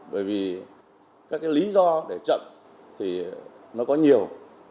bởi vì các cái lý do để chậm thì nó có nhiều